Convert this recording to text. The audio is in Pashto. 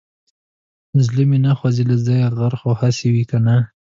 زړه مې نه خوځي له ځايه غر خو هسې وي کنه.